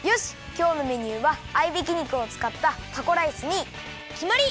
きょうのメニューは合いびき肉をつかったタコライスにきまり！